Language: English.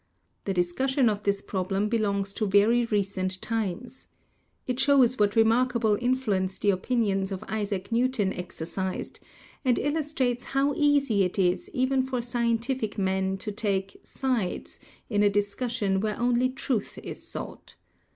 The discussion of this problem belongs to very recent times. It shows what remarkable influence the opinions of Isaac Newton exer cized, and illustrates how easy it is even for scientific men to "take sides" in a discussion where only truth is sought.